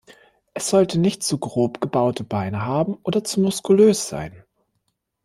Es sollte nicht zu grob gebaute Beine haben oder zu muskulös sein.